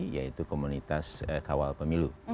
yaitu komunitas kawal pemilu